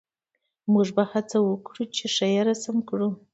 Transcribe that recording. موږ به هڅه وکړو چې ښه یې رسم کړو